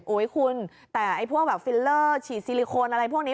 คุณแต่พวกแบบฟิลเลอร์ฉีดซิลิโคนอะไรพวกนี้